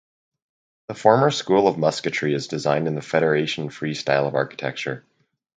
The former School of Musketry is designed in the Federation Free style of architecture.